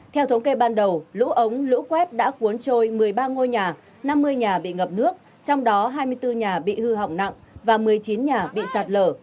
theo thống kê ban đầu lũ ống lũ quét đã cuốn trôi một mươi ba ngôi nhà năm mươi nhà bị ngập nước trong đó hai mươi bốn nhà bị hư hỏng nặng và một mươi chín nhà bị sạt lở